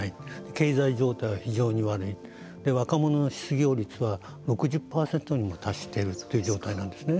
経済状態は非常に悪い若者の失業率は６０％にも達しているという状態なんですね。